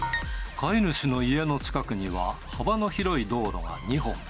飼い主の家の近くには幅の広い道路が２本。